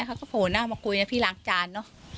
มั้น่ามาคุยนะพี่หล่างจานเนาะ